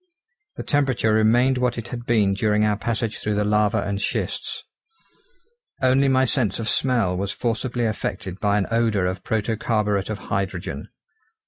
The temperature remained what it had been during our passage through the lava and schists. Only my sense of smell was forcibly affected by an odour of protocarburet of hydrogen.